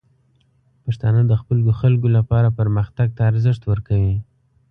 پښتانه د خپلو خلکو لپاره پرمختګ ته ارزښت ورکوي.